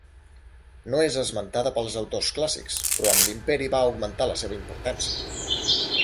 No és esmentada pels autors clàssics però amb l'Imperi va augmentar la seva importància.